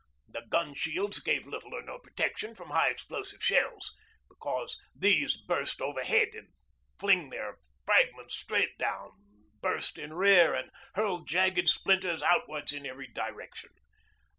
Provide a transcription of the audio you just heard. The gun shields give little or no protection from high explosive shells, because these burst overhead and fling their fragments straight down, burst in rear, and hurl jagged splinters outwards in every direction.